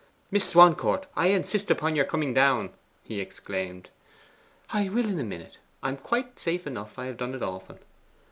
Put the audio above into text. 'Miss Swancourt, I insist upon your coming down,' he exclaimed. 'I will in a minute. I am safe enough. I have done it often.